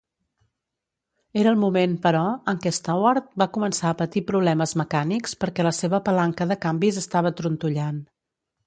Era el moment, però, en que Staward va començar a patir problemes mecànics per què la seva palanca de canvis estava trontollant.